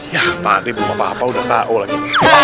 ya padri bukapa apa udah tau lagi